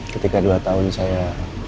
ketika dua tahun saya